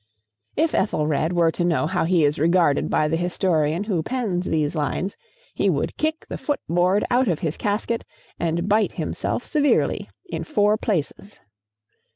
If Ethelred were to know how he is regarded by the historian who pens these lines, he would kick the foot board out of his casket, and bite himself severely in four places.